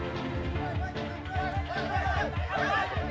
eh jangan kabur eh